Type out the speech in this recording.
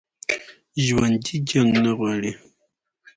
ژوندي جنګ نه غواړي